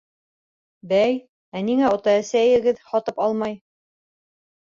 — Бәй, ә ниңә ата-әсәйегеҙ һатып алмай?